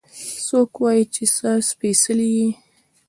څوک وايي چې ته سپېڅلې يې؟